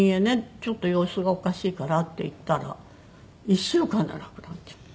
ちょっと様子がおかしいからって行ったら１週間で亡くなっちゃった。